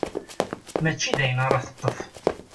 Mačči dayen ara teṭṭef.